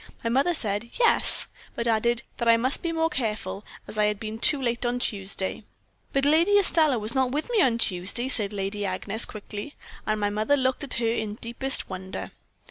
My mother said 'Yes,' but added, that I must be more careful, as I had been too late on Tuesday.' "'But Lady Estelle was not with me on Tuesday,' said Lady Agnes, quickly. And my mother looked at her in deepest wonder.